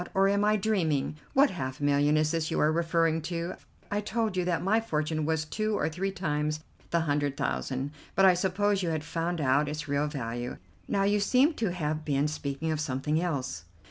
Or am I dreaming? What half million is this you are referring to? I told you that my fortune was two or three times the hundred thousand, but I supposed you had found out its real value. Now you seem to have been speaking of something else."